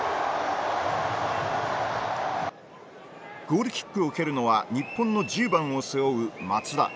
ゴールキックを蹴るのは日本の１０番を背負う松田。